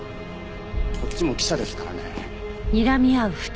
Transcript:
こっちも記者ですからね。